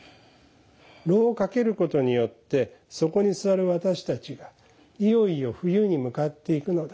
炉をかけることによってそこに座る私たちがいよいよ冬に向かっていくのだ。